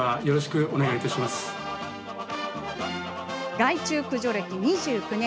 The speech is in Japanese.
害虫駆除歴２９年。